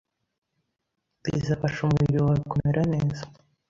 bizafasha umubiri wawe kumera neza.